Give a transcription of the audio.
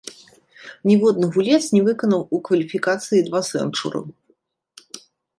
Ніводны гулец не выканаў у кваліфікацыі два сэнчуры.